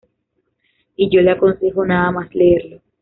Y yo le aconsejo nada más leerlo.